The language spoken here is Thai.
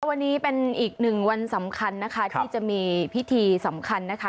วันนี้เป็นอีกหนึ่งวันสำคัญนะคะที่จะมีพิธีสำคัญนะคะ